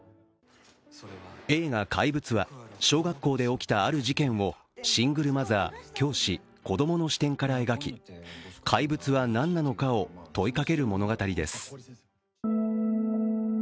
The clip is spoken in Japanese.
映画、「怪物」は小学校で起きたある事件をシングルマザー、教師、子供の視点から描き、怪物は何なのかを問いかける物語です。